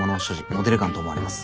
モデルガンと思われます。